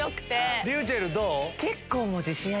ｒｙｕｃｈｅｌｌどう？